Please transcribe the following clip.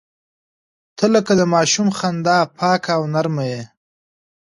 • ته لکه د ماشوم خندا پاکه او نرمه یې.